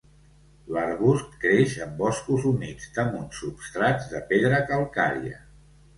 L'arbust creix en boscos humits damunt substrats de pedra calcària.